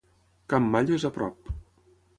Camp Mallo és a prop.